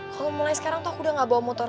kalau mulai sekarang tuh aku udah gak bawa motor